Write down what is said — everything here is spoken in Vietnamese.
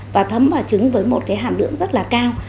và thấm vào trứng với một cái hàm lượng rất là cao